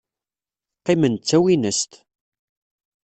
Qqimen d tawinest.